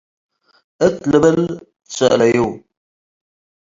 ” እት ልብል ትሰአለዩ።